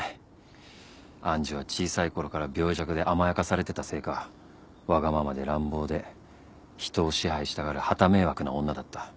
愛珠は小さいころから病弱で甘やかされてたせいかわがままで乱暴で人を支配したがるはた迷惑な女だった。